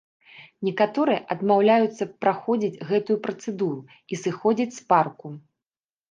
Некаторыя адмаўляюцца праходзіць гэтую працэдуру і сыходзяць з парку.